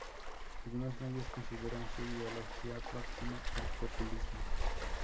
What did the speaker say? Algunos medios consideran su ideología próxima al populismo.